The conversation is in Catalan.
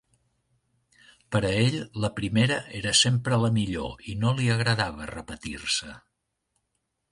Per a ell, la primera era sempre la millor i no li agradava repetir-se.